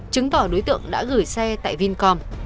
chứng tỏ đối tượng đã gửi xe tại vincom